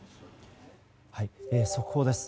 速報です。